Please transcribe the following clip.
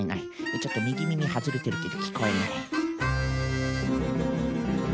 ちょっとみぎみみはずれてるけどきこえない。